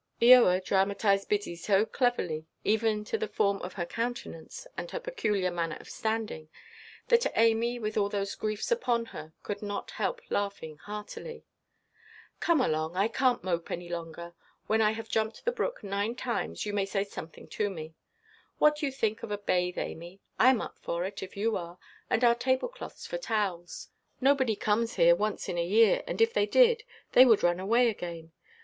'" Eoa dramatised Biddy so cleverly, even to the form of her countenance, and her peculiar manner of standing, that Amy, with all those griefs upon her, could not help laughing heartily. "Come along, I canʼt mope any longer; when I have jumped the brook nine times, you may say something to me. What do you think of a bathe, Amy? I am up for it, if you are—and our tablecloths for towels. Nobody comes here once in a year; and if they did, they would run away again.